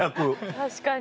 確かに。